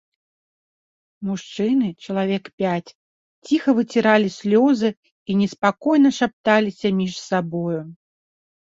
Мужчыны, чалавек пяць, ціха выціралі слёзы і неспакойна шапталіся між сабою.